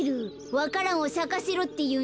わか蘭をさかせろっていうんでしょう。